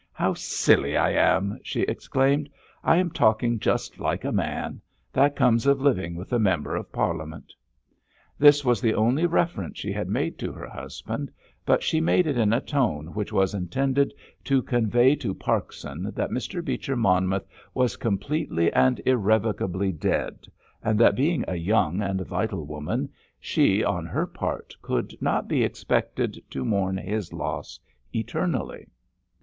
"How silly I am!" she exclaimed. "I am talking just like a man. That comes of living with a Member of Parliament." This was the only reference she had made to her husband, but she made it in a tone which was intended to convey to Parkson that Mr. Beecher Monmouth was completely and irrevocably dead, and that being a young and vital woman, she, on her part, could not be expected to mourn his loss eternally.